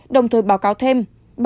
đồng thời báo cáo thêm